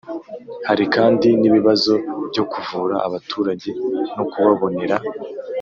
hari kandi n'ibibazo byo kuvura abaturage no kubabonera